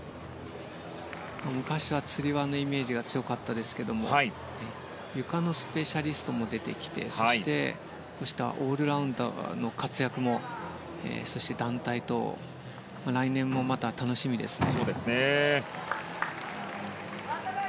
昔はつり輪のイメージが強かったですがゆかのスペシャリストも出てきてそしてオールラウンダーの活躍もそして、団体と来年もまた楽しみですね。